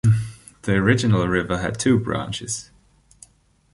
The original river had two branches.